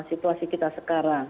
situasi kita sekarang